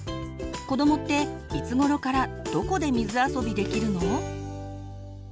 子どもっていつごろからどこで水あそびできるの？